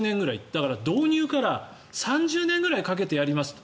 だから導入から３０年ぐらいかけてやりますと。